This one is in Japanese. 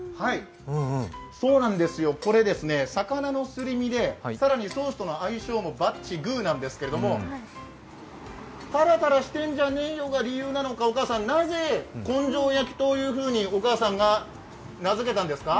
そうなんです、これ魚のすり身で、更にソースとの相性もバッチグーなんですが、タラタラしてんじゃねよが理由なのか、お母さん、なぜ、こんじょう焼きというふうにお母さんが名付けたんですか？